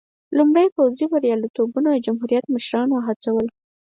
لومړنیو پوځي بریالیتوبونو د جمهوریت مشران وهڅول.